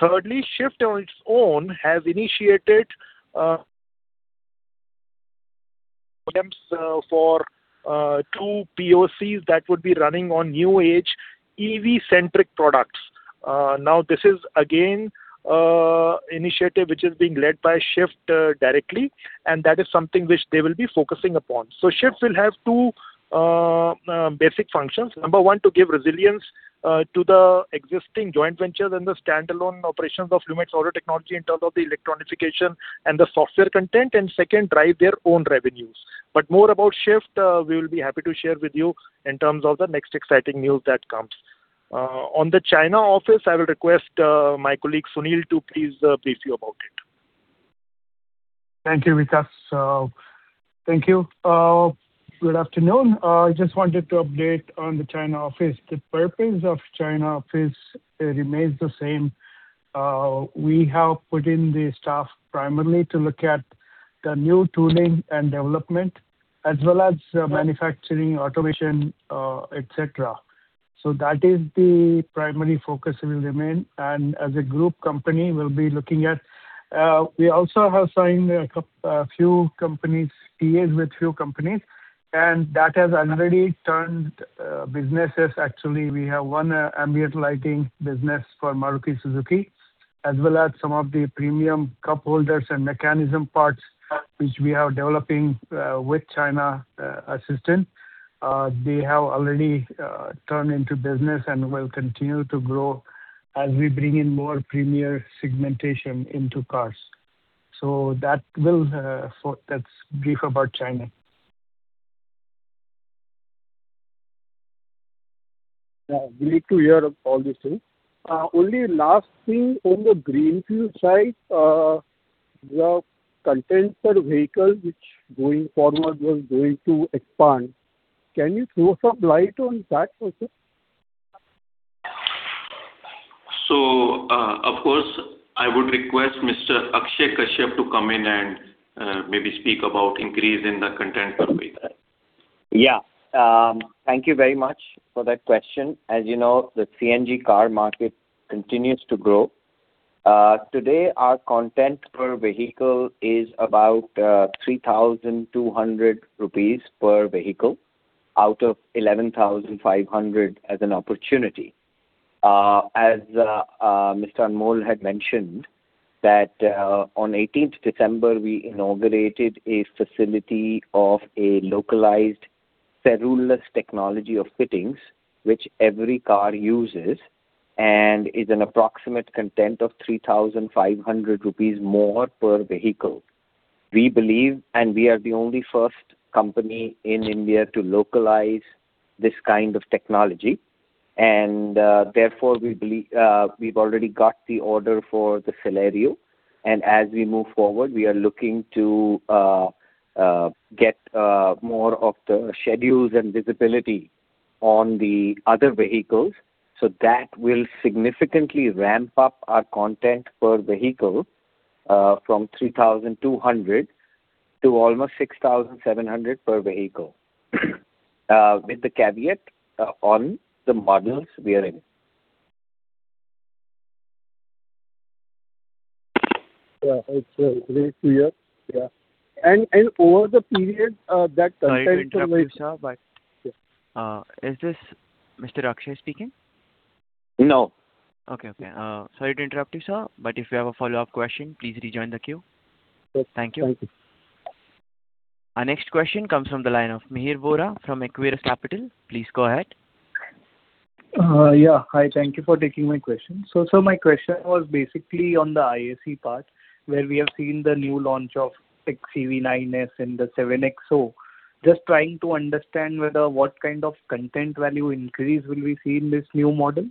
Thirdly, Shift on its own has initiated for two POCs that would be running on new age, EV-centric products. Now, this is again initiative, which is being led by Shift directly, and that is something which they will be focusing upon. So Shift will have two basic functions. Number one, to give resilience, to the existing joint ventures and the standalone operations of Lumax Auto Technologies in terms of the electronification and the software content, and second, drive their own revenues. But more about Shift, we will be happy to share with you in terms of the next exciting news that comes. On the China office, I will request, my colleague, Sunil, to please brief you about it. Thank you, Vikas. Thank you. Good afternoon. I just wanted to update on the China office. The purpose of China office, it remains the same. We have put in the staff primarily to look at the new tooling and development, as well as manufacturing, automation, et cetera. So that is the primary focus will remain, and as a group company, we'll be looking at... We also have signed a couple TAs with a few companies, and that has already turned businesses. Actually, we have one ambient lighting business for Maruti Suzuki, as well as some of the premium cup holders and mechanism parts, which we are developing with Chinese assistance. They have already turned into business and will continue to grow as we bring in more premium segmentation into cars. So that will, that's brief about China. ... Yeah, we need to hear all these things. One last thing on the greenfield side, the content per vehicle, which going forward was going to expand. Can you throw some light on that also? So, of course, I would request Mr. Akshay Kashyap to come in and, maybe speak about increase in the content per vehicle. Yeah. Thank you very much for that question. As you know, the CNG car market continues to grow. Today, our content per vehicle is about 3,200 crore rupees per vehicle, out of 11,500 crore as an opportunity. As Mr. Anmol had mentioned that, on 18th December, we inaugurated a facility of a localized ferruleless technology of fittings, which every car uses, and is an approximate content of 3,500 crore rupees more per vehicle. We believe, and we are the only first company in India to localize this kind of technology, and therefore, we believe, we've already got the order for the Celerio, and as we move forward, we are looking to get more of the schedules and visibility on the other vehicles. That will significantly ramp up our content per vehicle, from 3,200 crore to almost 6,700 crore per vehicle. With the caveat on the models we are in. Yeah, it's very clear. Yeah. And, and over the period, that content- Sorry to interrupt you, sir, but... is this Mr. Akshay speaking? No. Okay, okay. Sorry to interrupt you, sir, but if you have a follow-up question, please rejoin the queue. Yes. Thank you. Thank you. Our next question comes from the line of Mihir Vora from Equirus Capital. Please go ahead. Yeah. Hi, thank you for taking my question. So my question was basically on the IAC part, where we have seen the new launch of XUV 9S and the 7XO. Just trying to understand whether what kind of content value increase will we see in this new model?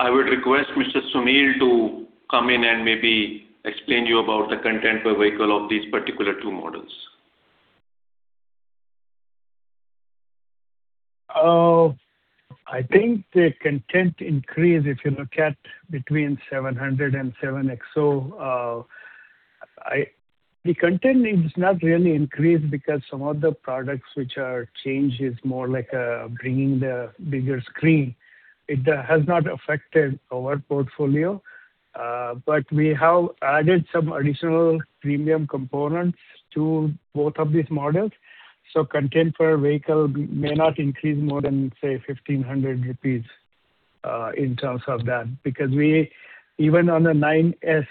I would request Mr. Sunil to come in and maybe explain you about the content per vehicle of these particular two models. I think the content increase, if you look at between XUV700 and XUV 7XO, the content is not really increased because some of the products which are changed is more like, bringing the bigger screen. It has not affected our portfolio, but we have added some additional premium components to both of these models, so content per vehicle may not increase more than, say, 1,500 crore rupees, in terms of that. Because we, even on the 9S,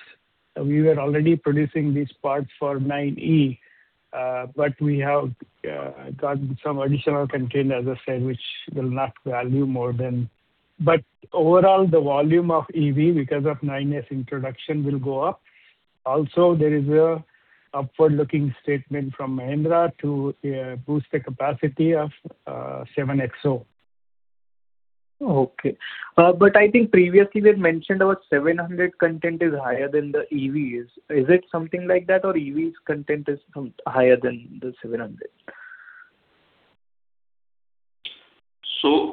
we were already producing these parts XEV 9e, but we have, gotten some additional content, as I said, which will not value more than... But overall, the volume of EV, because of 9S introduction, will go up. Also, there is a forward-looking statement from Mahindra to, boost the capacity of, XUV 7XO. Okay. But I think previously they mentioned about 700 content is higher than the EVs. Is it something like that, or EVs content is some higher than the 700?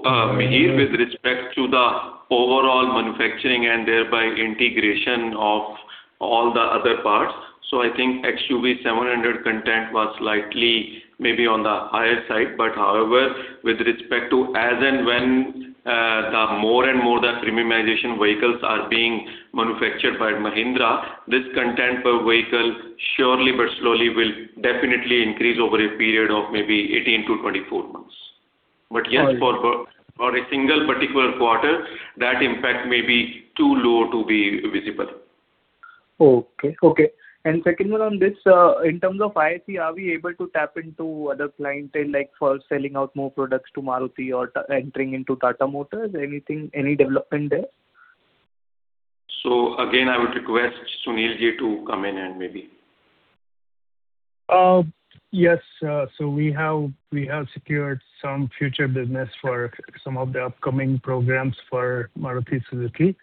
Mihir, with respect to the overall manufacturing and thereby integration of all the other parts, so I think XUV 700 content was slightly maybe on the higher side. But, however, with respect to as and when the more and more the premiumization vehicles are being manufactured by Mahindra, this content per vehicle, surely, but slowly, will definitely increase over a period of maybe 18-24 months. But, yes, for a single particular quarter, that impact may be too low to be visible. Okay, okay. Secondly, on this, in terms of IAC, are we able to tap into other clientele, like for selling out more products to Maruti or entering into Tata Motors? Anything, any development there? Again, I would request Sunil Ji to come in and maybe. Yes, so we have, we have secured some future business for some of the upcoming programs for Maruti Suzuki.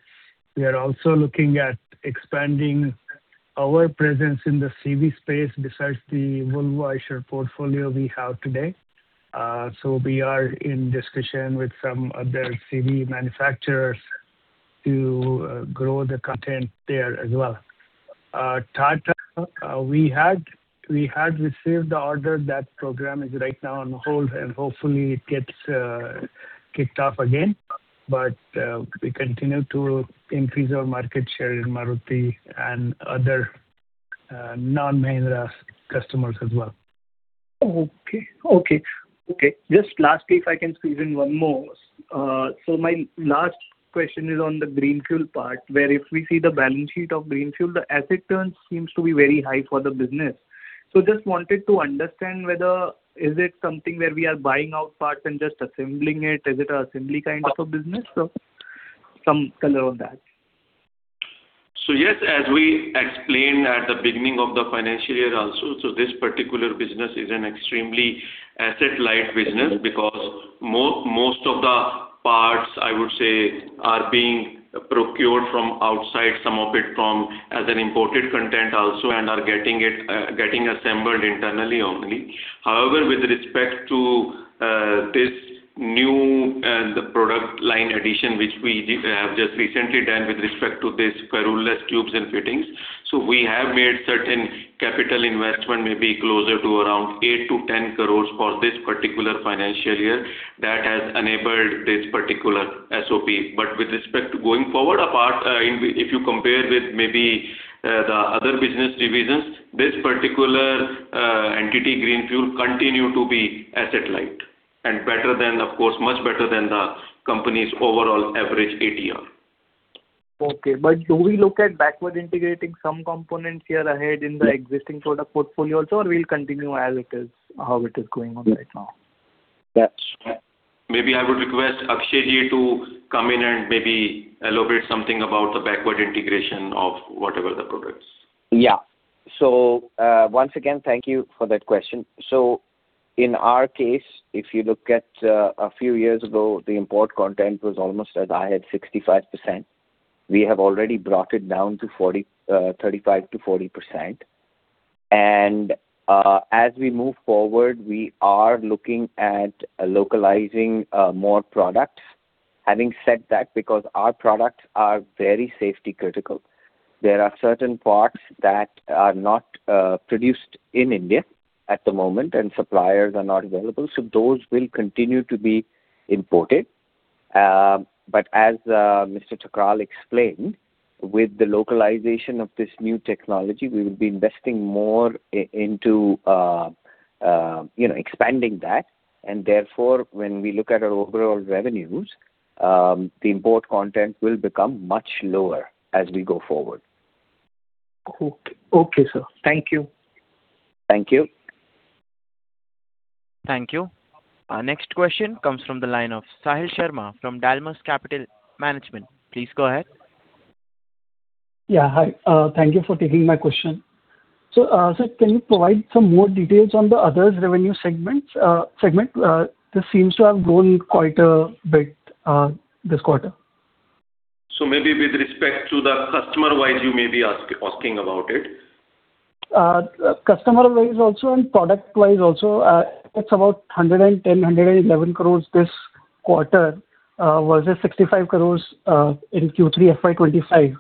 We are also looking at expanding our presence in the CV space, besides the Volvo Eicher portfolio we have today. So we are in discussion with some other CV manufacturers to grow the content there as well. Tata, we had, we had received the order. That program is right now on hold, and hopefully it gets kicked off again. But we continue to increase our market share in Maruti and other non-Mahindra customers as well. Okay. Okay, okay. Just lastly, if I can squeeze in one more. So my last question is on the Greenfuel part, where if we see the balance sheet of Greenfuel, the asset turns seems to be very high for the business. So just wanted to understand whether is it something where we are buying out parts and just assembling it? Is it an assembly kind of a business? So some color on that. So yes, as we explained at the beginning of the financial year also, so this particular business is an extremely asset-light business, because most of the parts, I would say, are being procured from outside, some of it from as an imported content also, and are getting assembled internally only. However, with respect to this new product line addition, which we have just recently done with respect to this screwless tubes and fittings, so we have made certain capital investment, maybe closer to around 8 crore-10 crore for this particular financial year, that has enabled this particular SOP. But with respect to going forward, apart, if you compare with maybe the other business divisions, this particular entity, Greenfuel, continue to be asset light and better than, of course, much better than the company's overall average ADR. Okay. But do we look at backward integrating some components year ahead in the existing product portfolio also, or we'll continue as it is, how it is going on right now? Maybe I would request Akshayji to come in and maybe elaborate something about the backward integration of whatever the products. Yeah. Once again, thank you for that question. In our case, if you look at a few years ago, the import content was almost as high as 65%. We have already brought it down to 35%-40%. As we move forward, we are looking at localizing more products. Having said that, because our products are very safety critical, there are certain parts that are not produced in India at the moment, and suppliers are not available, so those will continue to be imported. But as Mr. Thakral explained, with the localization of this new technology, we will be investing more into you know, expanding that. Therefore, when we look at our overall revenues, the import content will become much lower as we go forward. Okay. Okay, sir. Thank you. Thank you. Thank you. Our next question comes from the line of Sahil Sharma from Dalmas Capital Management. Please go ahead. Yeah, hi. Thank you for taking my question. So, sir, can you provide some more details on the others revenue segments, segment? This seems to have grown quite a bit, this quarter. Maybe with respect to the customer-wise, you may be asking about it. Customer-wise also and product-wise also, it's about 110 crore-111 crore this quarter, versus 65 crore in Q3 FY 2025.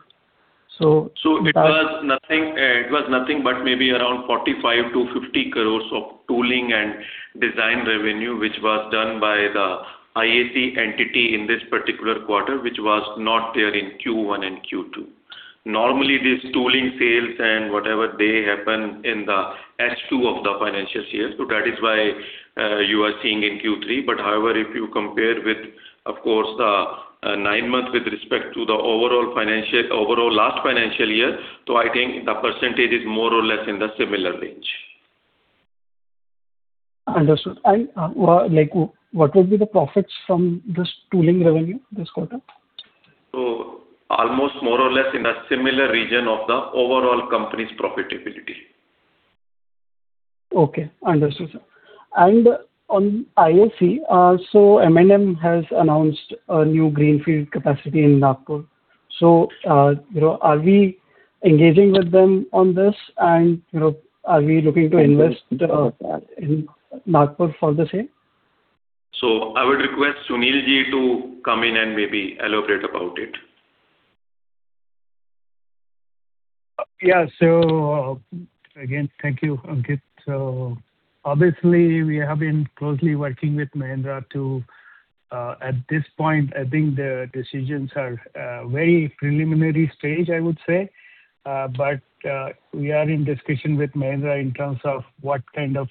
So- So it was nothing, it was nothing, but maybe around 45 crore-50 crore of tooling and design revenue, which was done by the IAC entity in this particular quarter, which was not there in Q1 and Q2. Normally, this tooling sales and whatever, they happen in the H2 of the financial year, so that is why, you are seeing in Q3. But however, if you compare with, of course, the, nine months with respect to the overall financial, overall last financial year, so I think the percentage is more or less in the similar range. Understood. And, like, what would be the profits from this tooling revenue this quarter? Almost more or less in a similar region of the overall company's profitability. Okay. Understood, sir. And on IAC, so M&M has announced a new greenfield capacity in Nagpur. So, you know, are we engaging with them on this? And, you know, are we looking to invest in Nagpur for the same? I would request Sunilji to come in and maybe elaborate about it. Yeah. So, again, thank you, Ankit. So obviously, we have been closely working with Mahindra to, at this point, I think the decisions are very preliminary stage, I would say. But, we are in discussion with Mahindra in terms of what kind of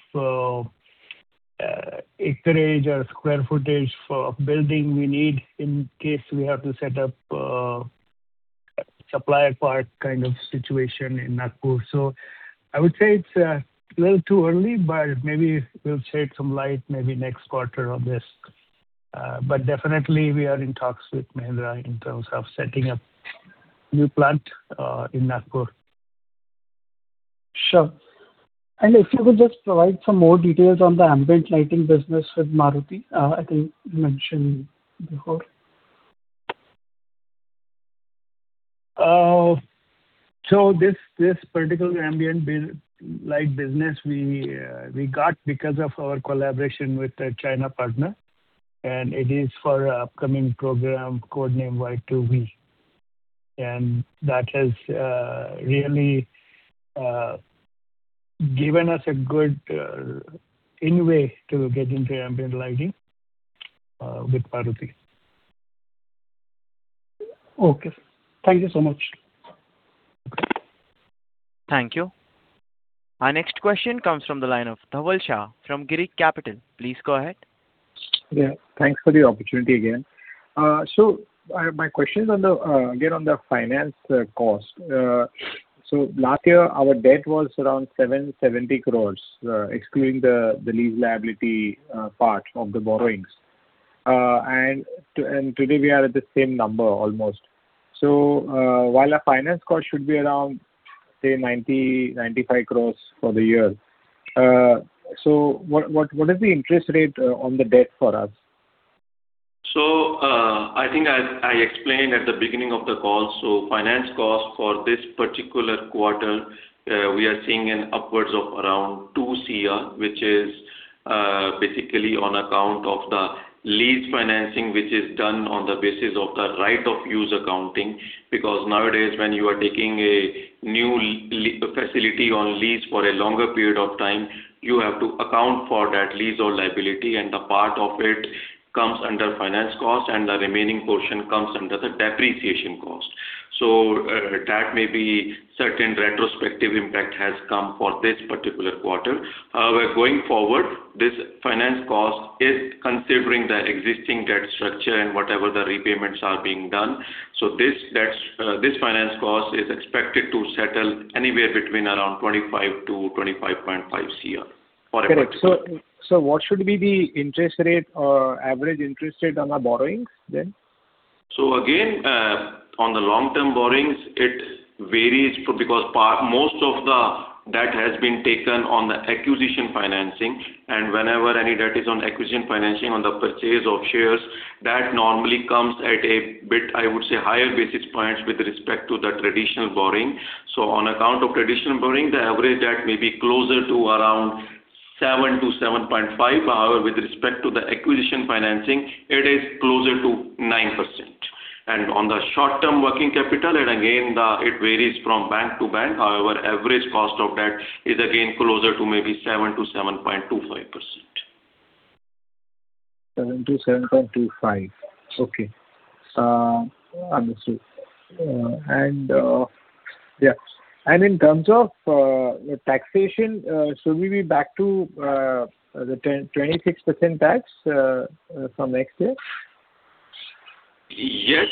acreage or square footage for building we need in case we have to set up supplier part kind of situation in Nagpur. So I would say it's a little too early, but maybe we'll shed some light, maybe next quarter on this. But definitely we are in talks with Mahindra in terms of setting up new plant in Nagpur. Sure. And if you could just provide some more details on the ambient lighting business with Maruti, I think you mentioned before. So this particular ambient build light business, we got because of our collaboration with the China partner, and it is for a upcoming program, code named Y2V. And that has really given us a good in way to get into ambient lighting with Maruti. Okay. Thank you so much. Thank you. Our next question comes from the line of Dhaval Shah from Girik Capital. Please go ahead. Yeah, thanks for the opportunity again. So, my question is on the, again, on the finance cost. So last year, our debt was around 770 crore, excluding the lease liability part of the borrowings. And today we are at the same number, almost. So, while our finance cost should be around, say, 90 crore-95 crore for the year, so what is the interest rate on the debt for us? So, I think I explained at the beginning of the call. Finance cost for this particular quarter, we are seeing upwards of around 2 crore, which is basically on account of the lease financing, which is done on the basis of the right of use accounting. Because nowadays, when you are taking a new facility on lease for a longer period of time, you have to account for that lease liability, and the part of it comes under finance cost, and the remaining portion comes under the depreciation cost. That may be certain retrospective impact has come for this particular quarter. But going forward, this finance cost is considering the existing debt structure and whatever the repayments are being done. This finance cost is expected to settle anywhere between around 25 crore-25.5 crore for a quarter. So, what should be the interest rate or average interest rate on our borrowings, then? So again, on the long-term borrowings, it varies because most of the debt has been taken on the acquisition financing, and whenever any debt is on acquisition financing on the purchase of shares, that normally comes at a bit, I would say, higher basis points with respect to the traditional borrowing. So on account of traditional borrowing, the average debt may be closer to around 7%-7.5%. However, with respect to the acquisition financing, it is closer to 9%. And on the short-term working capital, and again, it varies from bank to bank. However, average cost of debt is again closer to maybe 7%-7.25%. 7%-7.25. Okay. Understood. And, yeah, and in terms of taxation, should we be back to the 10.26% tax from next year? Yes.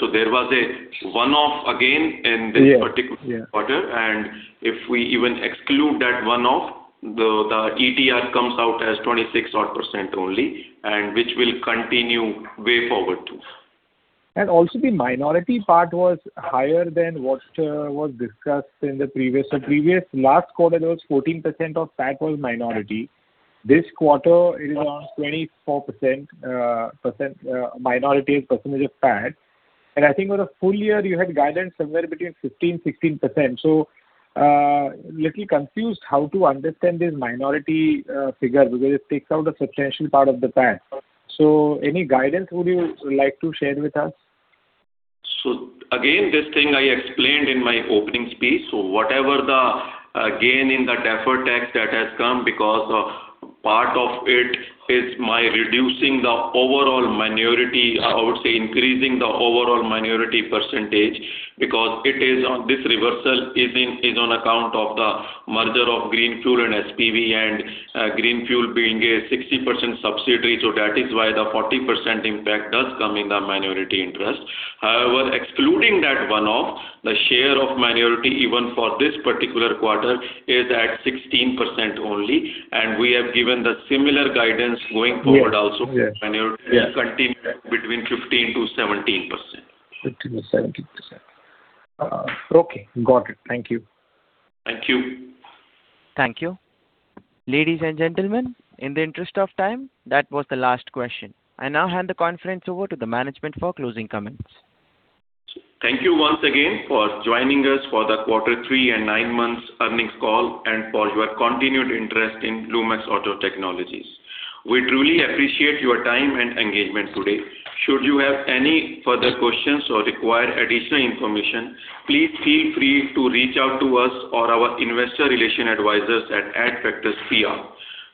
So there was a one-off again in this- Yeah particular quarter, and if we even exclude that one-off, the ETR comes out as 26-odd% only, and which will continue way forward, too. And also, the minority part was higher than what was discussed in the previous. The previous, last quarter, there was 14% of PAT was minority. This quarter, it is around 24% minority percentage of PAT. And I think on a full year, you had guidance somewhere between 15%, 16%. So, little confused how to understand this minority figure, because it takes out a substantial part of the PAT. So any guidance would you like to share with us? So again, this thing I explained in my opening speech. So whatever the gain in the deferred tax that has come because of part of it is my reducing the overall minority, I would say, increasing the overall minority percentage, because it is on this reversal is in, is on account of the merger of Greenfuel and SPV, and, Greenfuel being a 60% subsidiary, so that is why the 40% impact does come in the minority interest. However, excluding that one-off, the share of minority, even for this particular quarter, is at 16% only, and we have given the similar guidance going forward also- Yes. - for minority, between 15%-17%. 15%-17%. Okay, got it. Thank you. Thank you. Thank you. Ladies and gentlemen, in the interest of time, that was the last question. I now hand the conference over to the management for closing comments. Thank you once again for joining us for the quarter three and nine months earnings call and for your continued interest in Lumax Auto Technologies. We truly appreciate your time and engagement today. Should you have any further questions or require additional information, please feel free to reach out to us or our investor relation advisors at Adfactors PR.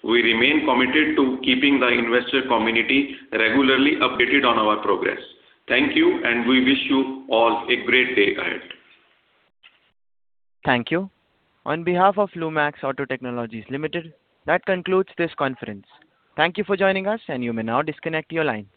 We remain committed to keeping the investor community regularly updated on our progress. Thank you, and we wish you all a great day ahead. Thank you. On behalf of Lumax Auto Technologies Limited, that concludes this conference. Thank you for joining us, and you may now disconnect your lines.